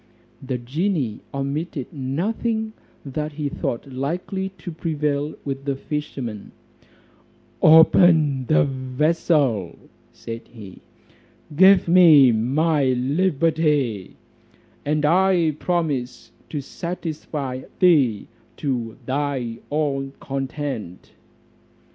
The genie omitted nothing that he thought likely to prevail with the fisherman: "Open the vessel," said he, "give me my liberty, and I promise to satisfy thee to thy own content."